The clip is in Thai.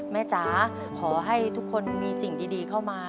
จ๋าขอให้ทุกคนมีสิ่งดีเข้ามา